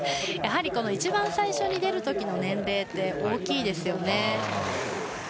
一番最初に出るときの年齢大きいですよね。